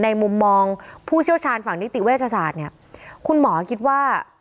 มุมมองผู้เชี่ยวชาญฝั่งนิติเวชศาสตร์เนี่ยคุณหมอคิดว่า